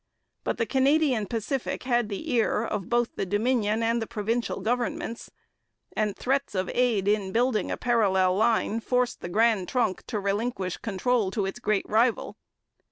But the Canadian Pacific had the ear of both the Dominion and the provincial governments, and threats of aid in building a parallel line forced the Grand Trunk to relinquish control to its great rival.